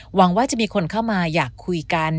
หวังว่าจะมีคนเข้ามาอยากคุยกัน